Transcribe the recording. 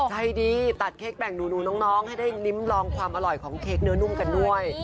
ใจดีตัดเค้กแบ่งหนูน้องให้ได้ลิ้มลองความอร่อยของเค้กเนื้อนุ่มกันด้วย